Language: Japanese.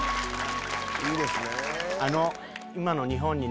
いいですね。